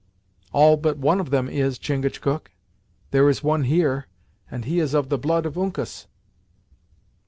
"All but one of them is, Chingachgook. There is one here; and he is of the blood of Uncas!"